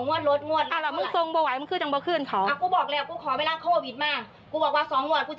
อ่ะกูถามนี้ส่งเงินเดือนจากบาทรถมึงอ่ะเดือนเท่าไหร่คะ